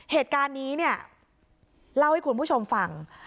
เหตุการณ์นี้เนี่ยเล่าให้คุณผู้ชมฟัง